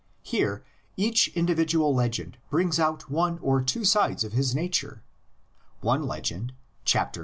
Here each indi vidual legend brings out one or two sides of his nature: one legend (xxxvii.)